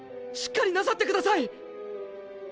しっかりなさってください！